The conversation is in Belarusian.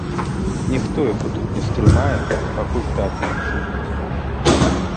Ніхто яго тут не стрымае, пакуль таты не знойдзе.